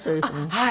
はい。